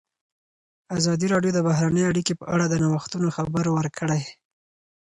ازادي راډیو د بهرنۍ اړیکې په اړه د نوښتونو خبر ورکړی.